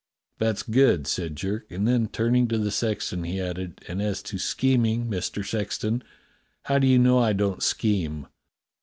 "That's good," said Jerk, and then turning to the sexton he added: "And as to scheming, Mister Sexton, how do you know I don't scheme